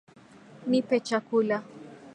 Nipe chakula